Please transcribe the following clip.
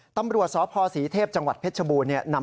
ตำรวจสพศรีเทพจังหวัดเพชรบูรณ์นำ